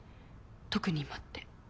特に今って。